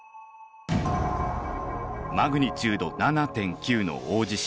マグニチュード７．９の大地震